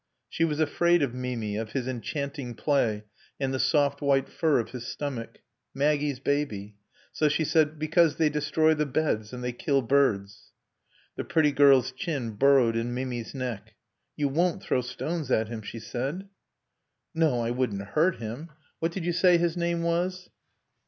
She was afraid of Mimi, of his enchanting play, and the soft white fur of his stomach. Maggie's baby. So she said, "Because they destroy the beds. And they kill birds." The pretty girl's chin burrowed in Mimi's neck. "You won't throw stones at him?" she said. "No, I wouldn't hurt him.... What did you say his name was?"